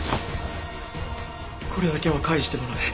これだけは返してもらう。